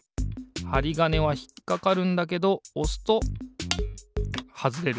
はりがねはひっかかるんだけどおすとはずれる。